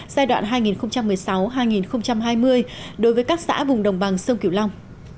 giai đoạn hai nghìn một mươi sáu hai nghìn hai mươi đối với các xã vùng đồng bằng sông kiểu long